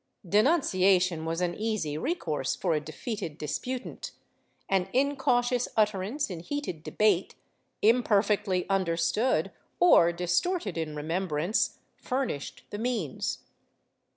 Denunciation was an easy recourse for a defeated disputant ; an incautious utterance in heated debate, imperfectly understood, or distorted in remembrance, furnished the means.